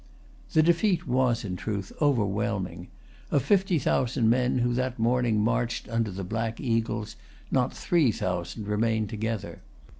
The defeat was, in truth, overwhelming. Of fifty thousand men who had that morning marched under the black eagles, not three thousand remained together.